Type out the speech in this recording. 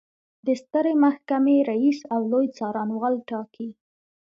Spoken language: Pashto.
د سترې محکمې رئیس او لوی څارنوال ټاکي.